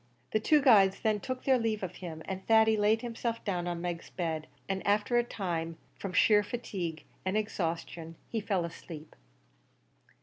The two guides then took their leave of him, and Thady laid himself down on Meg's bed, and, after a time, from sheer fatigue and exhaustion, he fell asleep.